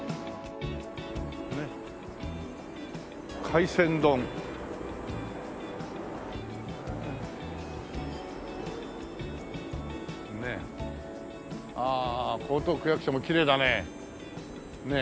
「海鮮丼」ああ江東区役所もきれいだね。